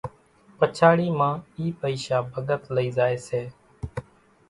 پچاڙِي مان اِي پئيشا ڀڳت لئِي زائيَ سي۔